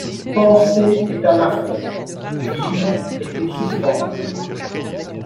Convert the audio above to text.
Penser est un affront, vivre est une souffrance